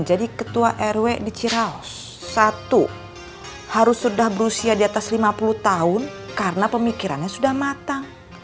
aku sudah berusia di atas lima puluh tahun karena pemikirannya sudah matang